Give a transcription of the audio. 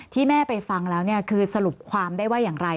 ที่แม่ไปฟังแล้วคือสรุปความได้ว่าอย่างไร